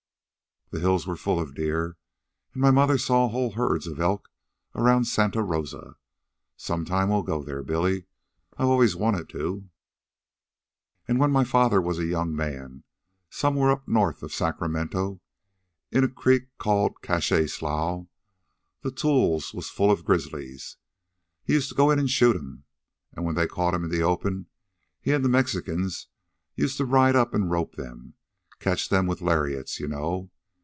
"The hills were full of deer, and my mother saw whole herds of elk around Santa Rosa. Some time we'll go there, Billy. I've always wanted to." "And when my father was a young man, somewhere up north of Sacramento, in a creek called Cache Slough, the tules was full of grizzlies. He used to go in an' shoot 'em. An' when they caught 'em in the open, he an' the Mexicans used to ride up an' rope them catch them with lariats, you know.